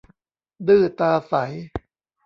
ดื้อตาใส